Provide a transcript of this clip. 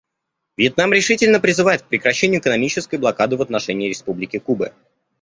Вьетнам решительно призывает к прекращению экономической блокады в отношении Республики Кубы.